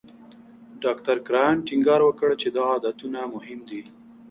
ډاکټر کرایان ټینګار وکړ چې دا عادتونه مهم دي.